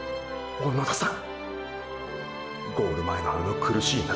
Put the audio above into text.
小野田さん！！